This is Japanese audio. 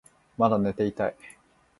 まだ寝ていたい